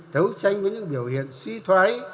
đấu tranh với những biểu hiện suy thoái